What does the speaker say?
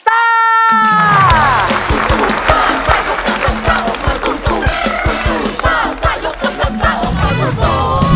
สู้สู้ซ่าซ่ายกกำลังซ่าออกมาสู้สู้